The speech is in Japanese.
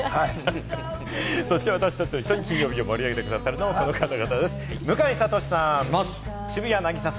そして私達と一緒に金曜日を盛り上げてくださるのはこの方々です。